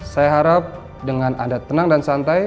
saya harap dengan anda tenang dan santai